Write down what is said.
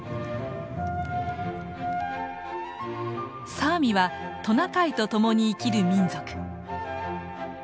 サーミはトナカイとともに生きる民族。